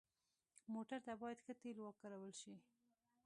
موټر ته باید ښه تیلو وکارول شي.